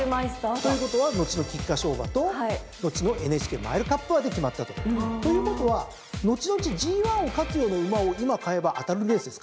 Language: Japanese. ということは後の菊花賞馬と後のＮＨＫマイルカップ馬で決まったと。ということは後々ＧⅠを勝つような馬を今買えば当たるレースです。